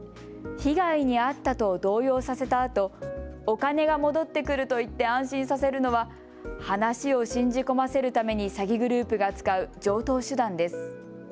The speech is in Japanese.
被害に遭ったと動揺させたあと、お金が戻ってくると言って安心させるのは話を信じ込ませるために詐欺グループが使う常とう手段です。